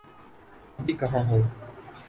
ابھی کہاں ہو؟